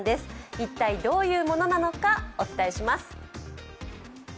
一体どういうものなのかお伝えします。